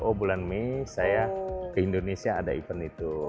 oh bulan mei saya ke indonesia ada event itu